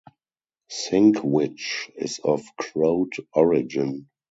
Sinkwich is of Croat origin.